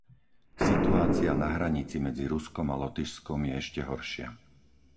Situácia na hranici medzi Ruskom a Lotyšskom je ešte horšia.